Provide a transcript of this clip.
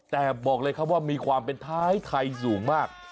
แต่บอกเลยครับว่ามีความเป็นท้ายไทยสูงมาก